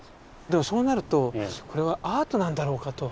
でもそうなるとこれはアートなんだろうかと。